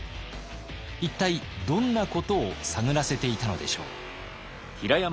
一体どんなことを探らせていたのでしょう？